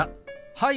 はい。